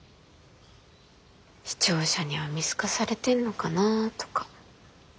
視聴者には見透かされてんのかなとか。